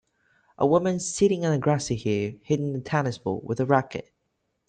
A woman sitting on a grassy hill hitting a tennis ball with a racket.